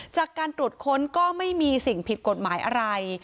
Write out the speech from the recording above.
จากการตรวจค้นก็ไม่มีสิ่งผิดกฎหมายอะไร